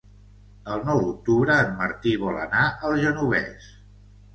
El nou d'octubre en Martí vol anar al Genovés.